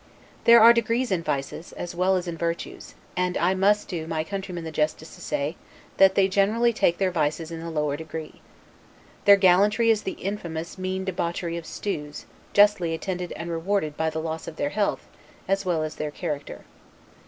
There are degrees in vices, as well as in virtues; and I must do my countrymen the justice to say, that they generally take their vices in the lower degree. Their gallantry is the infamous mean debauchery of stews, justly attended and rewarded by the loss of their health, as well as their character.